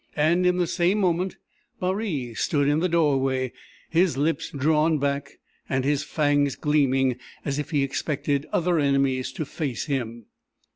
And in the same moment Baree stood in the doorway, his lips drawn back and his fangs gleaming, as if he expected other enemies to face him.